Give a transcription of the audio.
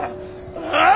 ああ？